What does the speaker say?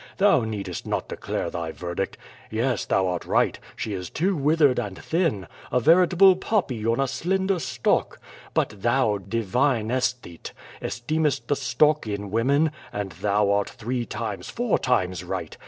Thou needest not declare thy verdict. Yes, thou art right; she is too withered and thin; a veritable poppy on a slender stalk. But thou, divine aesthete, esteemest the stalk in women, and thou art three times, four times right.